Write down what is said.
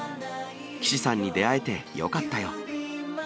岸さんに出会えてよかったよ。